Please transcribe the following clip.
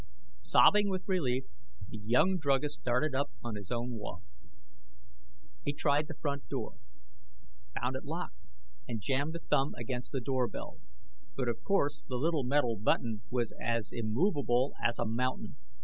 Sobbing with relief, the young druggist darted up his own walk. He tried the front door, found it locked, and jammed a thumb against the doorbell. But of course the little metal button was as immovable as a mountain.